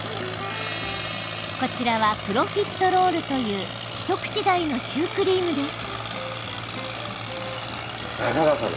こちらはプロフィットロールという一口大のシュークリームです。